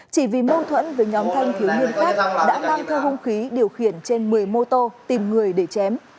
chỉ vì mâu thuẫn với nhóm thanh thiếu niên khác đã mang theo hung khí điều khiển trên một mươi mô tô tìm người để chém